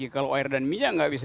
kalau air dan minyak nggak bisa